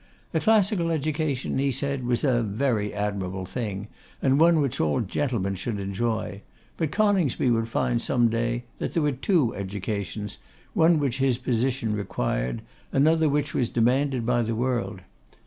A classical education, he said, was a very admirable thing, and one which all gentlemen should enjoy; but Coningsby would find some day that there were two educations, one which his position required, and another which was demanded by the world.